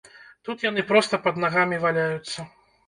Тут яны проста пад нагамі валяюцца.